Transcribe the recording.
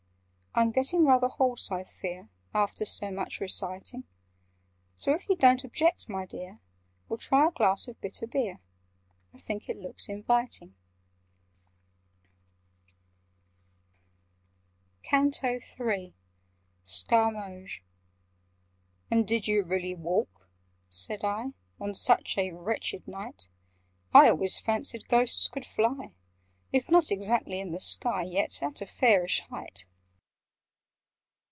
"I'm getting rather hoarse, I fear, After so much reciting: So, if you don't object, my dear, We'll try a glass of bitter beer— I think it looks inviting." [Picture: We'll try a glass of bitter beer] CANTO III Scarmoges "AND did you really walk," said I, "On such a wretched night? I always fancied Ghosts could fly— If not exactly in the sky, Yet at a fairish height."